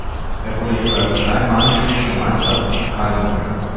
Er wurde jeweils drei Mal schwedischer Meister und Pokalsieger.